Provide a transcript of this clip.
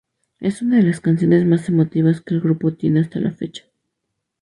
Es una de las canciones más emotivas que el grupo tiene hasta la fecha.